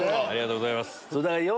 ありがとうございます。